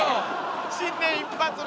新年一発目。